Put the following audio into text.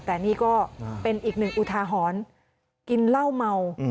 แต่นี่ก็เป็นอีกหนึ่งอุทาหรณ์กินเหล้าเมา